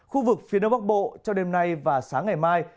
khu vực phía đông bắc bộ trong đêm nay và sáng ngày mai